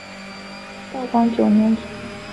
道光九年卒。